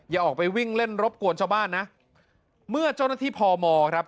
อย่าออกไปวิ่งเล่นรบกวนชาวบ้านนะเมื่อเจ้าหน้าที่พมครับ